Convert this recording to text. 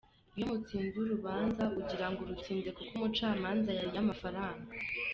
Iyo mutsinze urubanza ugirango urutsinze kuko umucamanza yariye amafaranga.